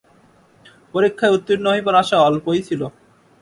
পরীক্ষায় উত্তীর্ণ হইবার আশা অল্পই ছিল।